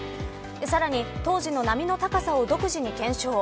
さらに、当時の波の高さを独自に検証。